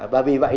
và vì vậy